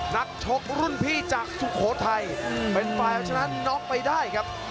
นักชกรุ่นพี่จากสุโขทัยเป็นฝ่ายเอาชนะน็อกไปได้ครับ